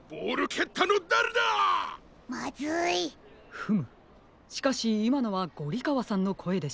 フムしかしいまのはゴリかわさんのこえでしたね。